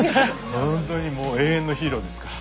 ほんとにもう永遠のヒーローですから。